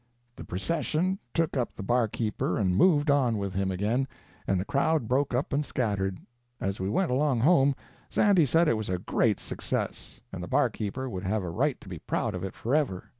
The procession took up the barkeeper and moved on with him again, and the crowd broke up and scattered. As we went along home, Sandy said it was a great success, and the barkeeper would have a right to be proud of it forever.